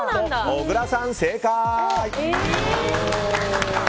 小倉さん、正解！